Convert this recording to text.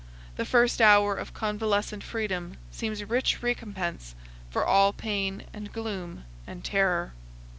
The first hour of convalescent freedom seems rich recompense for all pain and gloom and terror.